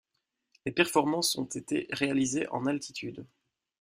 Les performances ont été réalisées en altitude.